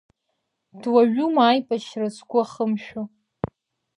Дуаҩума аибашьра згәы ахымшәо…